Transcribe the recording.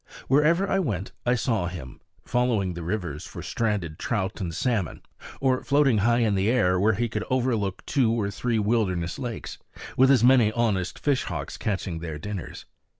Wherever I went I saw him, following the rivers for stranded trout and salmon, or floating high in air where he could overlook two or three wilderness lakes, with as many honest fish hawks catching their dinners.